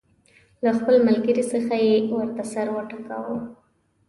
له خپل ملګري څخه یې ورته سر وټکاوه.